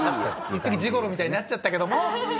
いっときジゴロみたいになっちゃったけども。